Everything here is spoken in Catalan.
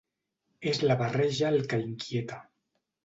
És la barreja el que inquieta.